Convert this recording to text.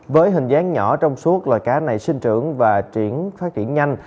với hình dáng nhỏ trong suốt loài cá này sinh trưởng và chuyển phát triển nhanh